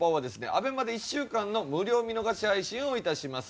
ＡＢＥＭＡで１週間の無料見逃し配信を致します。